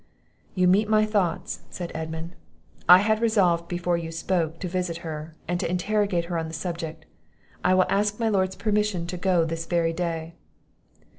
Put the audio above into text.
"You meet my thoughts," said Edmund; "I had resolved, before you spoke, to visit her, and to interrogate her on the subject; I will ask my Lord's permission to go this very day."